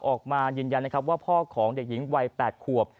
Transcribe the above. ออกมายืนยันนะครับว่าพ่อของเด็กหญิงวัย๘ขวบ